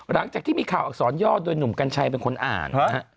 หลังจากที่มีข่าวอักษรย่อโดยหนุ่มกัญชัยเป็นคนอ่านนะฮะ